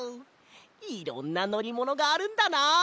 いろんなのりものがあるんだな。